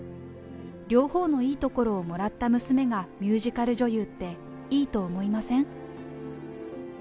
両方のいいところをもらった娘がミュージカル女優って、いいと思いません？